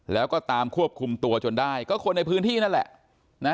แล้วก็ตามควบคุมตัวจนได้ก็คนในพื้นที่นั่นแหละนะ